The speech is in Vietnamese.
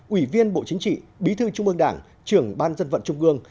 ủy viên bộ chính trị bí thư trung ương đảng trưởng ban dân vận trung ương